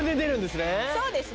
そうです